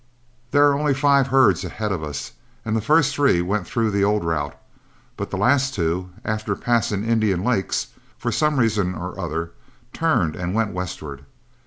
There are only five herds ahead of us, and the first three went through the old route, but the last two, after passing Indian Lakes, for some reason or other turned and went westward.